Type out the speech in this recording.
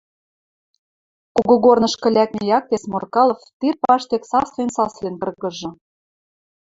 Когогорнышкы лӓкмӹ якте Сморкалов тир паштек саслен-саслен кыргыжы.